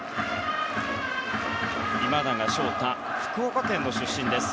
今永昇太、福岡県の出身です。